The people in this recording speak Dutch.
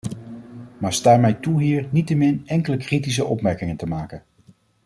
Maar sta mij toe hier niettemin enkele kritische opmerkingen te maken.